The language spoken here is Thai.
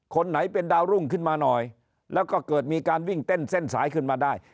คนไหนเป็นดาวรุ่งขึ้นมาหน่อยแล้วก็เกิดมีการวิ่งเต้นเส้นสายขึ้นมาได้